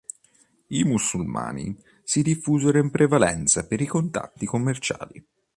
I musulmani si diffusero in prevalenza per i contatti commerciali.